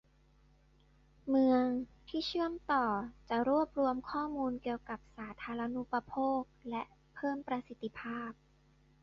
เมืองที่เชื่อมต่อจะรวบรวมข้อมูลเกี่ยวกับสาธารณูปโภคและเพิ่มประสิทธิภาพ